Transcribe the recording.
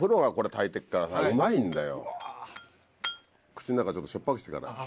口ん中ちょっとしょっぱくしてから。